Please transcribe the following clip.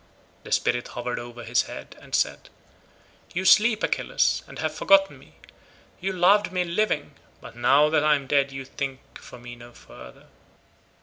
The spirit hovered over his head and said— "You sleep, Achilles, and have forgotten me; you loved me living, but now that I am dead you think for me no further.